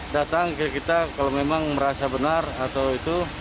datang ke kita kalau memang merasa benar atau itu